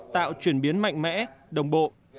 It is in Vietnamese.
tạo chuyển biến mạnh mẽ đồng bộ